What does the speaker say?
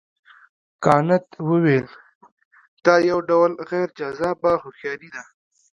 کانت وویل دا یو ډول غیر جذابه هوښیاري ده.